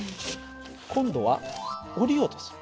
今度は下りようとする。